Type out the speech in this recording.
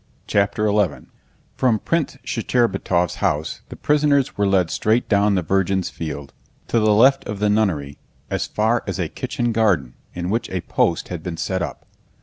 CHAPTER XI From Prince Shcherbátov's house the prisoners were led straight down the Virgin's Field, to the left of the nunnery, as far as a kitchen garden in which a post had been set up.